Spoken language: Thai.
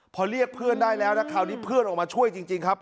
พอเรียกเพื่อนได้แล้วนะคราวนี้เพื่อนออกมาช่วยจริงครับ